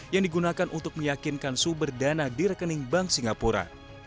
yang digunakan untuk meyakinkan sumber dana di rekening bank singapura